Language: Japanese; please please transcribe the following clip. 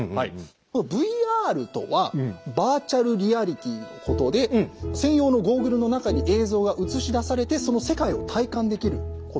「ＶＲ」とはバーチャルリアリティーのことで専用のゴーグルの中に映像が映し出されてその世界を体感できることなんですね。